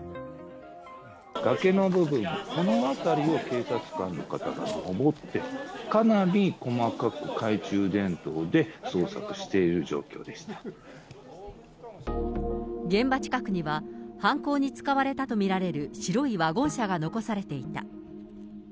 崖の部分、この辺りを警察官の方がのぼって、かなり細かく懐中電灯で捜索して現場近くには犯行に使われたと見られる白いワゴン車が残されていた。